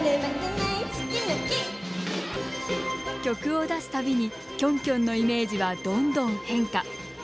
曲を出すたびにキョンキョンのイメージはどんどん変化。